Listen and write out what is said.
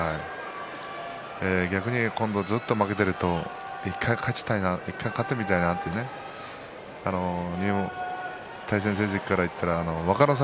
逆にずっと負けていると１回勝ちたいな１回勝ってみたいな対戦成績からいったら若の里